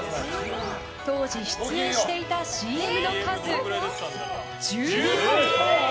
当時出演していたＣＭの数１２本！